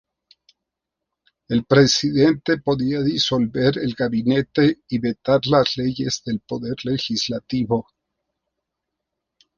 El presidente podía disolver el gabinete y vetar las leyes del poder legislativo.